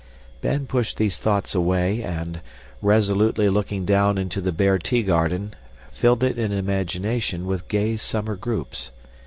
Ben pushed these thoughts away and, resolutely looking down into the bare tea garden, filled it in imagination with gay summer groups.